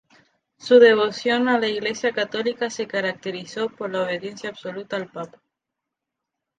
Su devoción a la Iglesia católica se caracterizó por la obediencia absoluta al papa.